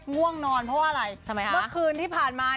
ง่วงนอนเพราะว่าอะไรทำไมฮะเมื่อคืนที่ผ่านมา